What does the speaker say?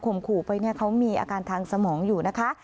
ขู่ไปเนี่ยเขามีอาการทางสมองอยู่นะคะ